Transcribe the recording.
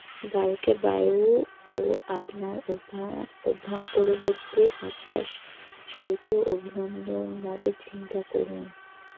বায়ুকে বায়ুর ও আপনার অভ্যন্তরবর্তী আত্মার সহিত অভিন্নভাবে চিন্তা করুন।